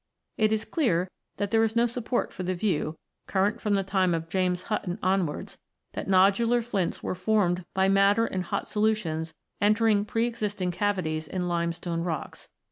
It is clear that there is no support for the view, current from the time of James Hutton onwards, that nodular flints are formed by matter in hot solutions entering pre existing cavities in limestone rocks.